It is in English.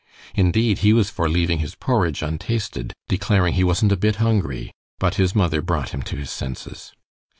Indeed, he was for leaving his porridge untasted, declaring he "wasn't a bit hungry," but his mother brought him to his senses.